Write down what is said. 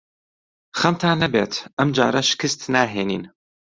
خەمتان نەبێت. ئەم جارە شکست ناهێنین.